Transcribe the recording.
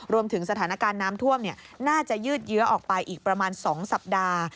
รวมถึงสถานการณ์น้ำท่วมน่าจะยืดเยื้อออกไปอีกประมาณ๒สัปดาห์